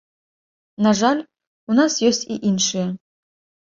На жаль, у нас ёсць і іншыя.